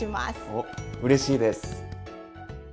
おっうれしいです！